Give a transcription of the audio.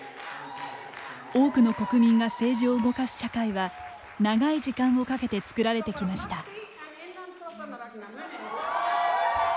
多くの国民が政治を動かす社会は長い時間をかけて作られてきました。